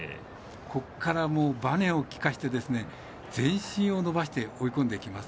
ここからばねを利かせて全身を伸ばして追い込んでいきます。